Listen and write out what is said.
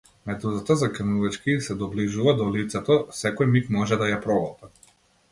Медузата заканувачки ѝ се доближува до лицето, секој миг може да ја проголта.